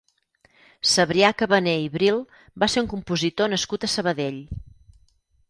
Cebrià Cabané i Bril va ser un compositor nascut a Sabadell.